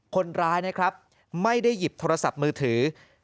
คนร้ายนะครับไม่ได้หยิบโทรศัพท์มือถือ